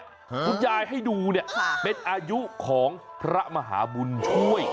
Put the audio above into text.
อาจจะเป็นอายุของพระมหาบุญช่วย